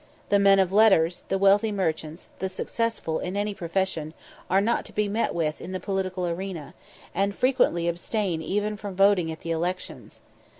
The men of letters, the wealthy merchants, the successful in any profession, are not to be met with in the political arena, and frequently abstain even from voting at the elections.